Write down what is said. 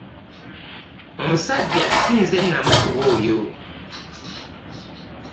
Omusajja si nze namukuba oyo.